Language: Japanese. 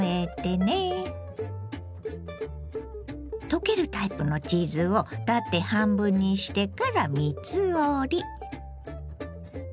溶けるタイプのチーズを縦半分にしてから３つ折り。